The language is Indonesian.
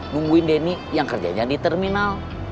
nungguin denny yang kerjanya di terminal